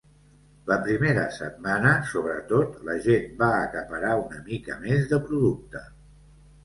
La primera setmana, sobretot, la gent va acaparar una mica més de producte.